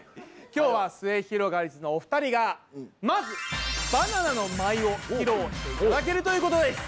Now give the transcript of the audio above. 今日はすゑひろがりずのお二人がまずバナナの舞を披露していただけるということです。